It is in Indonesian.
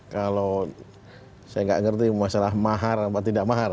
kalau saya nggak ngerti masalah mahar atau tidak mahar